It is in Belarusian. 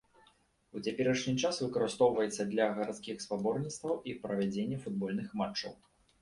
У цяперашні час выкарыстоўваецца для гарадскіх спаборніцтваў і правядзенні футбольных матчаў.